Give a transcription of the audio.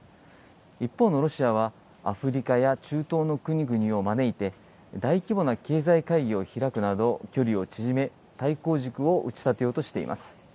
一方のロシアは、アフリカや中東の国々を招いて、大規模な経済会議を開くなど、距離を縮め、対抗軸を打ち立てようとしています。